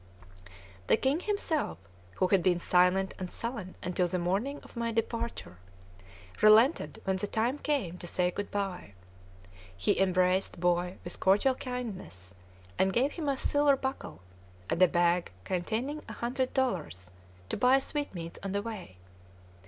The king himself, who had been silent and sullen until the morning of my departure, relented when the time came to say good by. He embraced Boy with cordial kindness, and gave him a silver buckle, and a bag containing a hundred dollars to buy sweetmeats on the way.